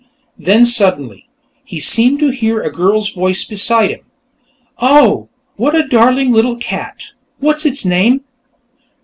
Then suddenly, he seemed to hear a girl's voice beside him: "Oh, what a darling little cat! What's its name?"